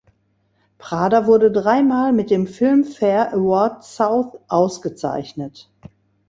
Prada wurde dreimal mit dem Filmfare Awards South ausgezeichnet.